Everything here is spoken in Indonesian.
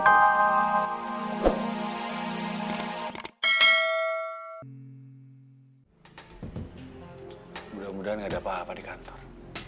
mudah mudahan gak ada apa apa di kantor